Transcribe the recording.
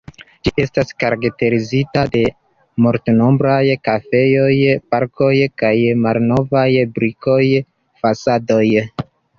Ĝi estas karakterizita de multnombraj kafejoj, parkoj kaj malnovaj brikoj fasadoj.